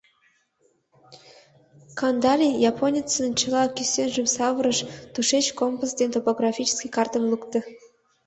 Кандалин японецын чыла кӱсенжым савырыш, тушеч компас ден топографический картым лукто.